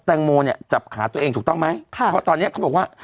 แตงโมเนี่ยจับขาตัวเองถูกต้องไหมค่ะเพราะตอนเนี้ยเขาบอกว่า